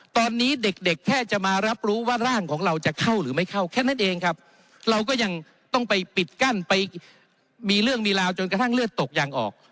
ตอนนี้เด็กเด็กแค่จะมารับรู้ว่าร่างของเราจะเข้าหรือไม่เข้าแค่นั้นเองครับเราก็ยังต้องไปปิดกั้นไปมีเรื่องมีราวจนกระทั่งเลือดตกยางออก